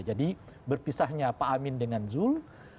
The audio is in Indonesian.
jadi berpisahnya pak amin dengan zul